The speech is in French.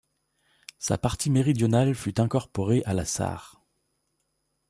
Sa partie méridionale fut incorporée à la Sarre.